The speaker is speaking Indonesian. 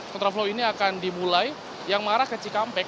kontraflow ini akan dimulai yang mengarah ke cikampek